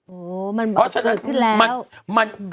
โอ้มันแบบเกิดขึ้นแล้วเพราะฉะนั้นมัน